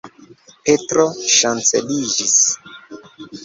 Petro ŝanceliĝis.